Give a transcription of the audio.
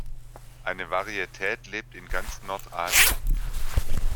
Eine Varietät lebt in ganz Nordasien.